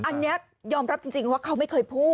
อันนี้ยอมรับจริงว่าเขาไม่เคยพูด